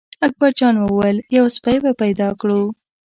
اکبر جان وویل: یو سپی به پیدا کړو.